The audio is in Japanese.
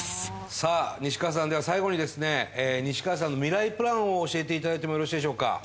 さあ西川さんでは最後にですね西川さんのミライプランを教えて頂いてもよろしいでしょうか？